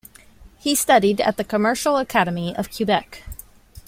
He studied at the Commercial Academy of Quebec.